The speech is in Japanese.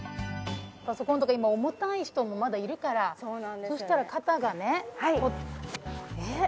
パソコンとか今重たい人もまだいるからそうなんですよそしたら肩がねえっ